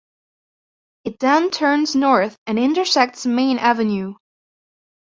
It then turns north and intersects Main Avenue.